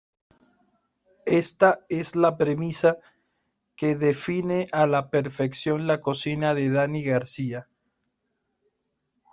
Esta es la premisa que define a la perfección la cocina de Dani García.